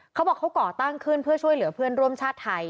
เขาบอกเขาก่อตั้งขึ้นเพื่อช่วยเหลือเพื่อนร่วมชาติไทย